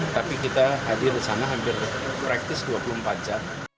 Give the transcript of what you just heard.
tapi kita hadir di sana hampir praktis dua puluh empat jam